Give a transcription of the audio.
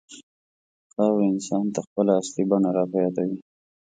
خاوره انسان ته خپله اصلي بڼه راپه یادوي.